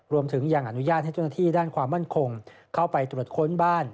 รวมถึงยังอนุญาตให้เจ้าหน้าที่ด้านความมั่นคงเข้าไปตรวจค้นบ้าน